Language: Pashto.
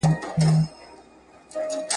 شامپو په وچو وریښتانو کې یو ځل کافي دی.